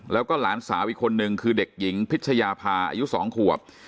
แล้วก็หลานสาวอีกคนนึงคือเด็กหญิงพิชยาพาอายุ๒ขวบ